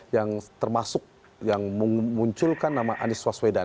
yang termasuk yang memunculkan nama anies waswedan